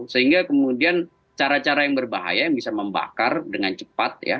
sehingga kemudian cara cara yang berbahaya yang bisa membakar dengan cepat ya